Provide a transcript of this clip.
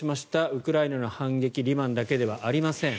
ウクライナの反撃リマンだけではありません。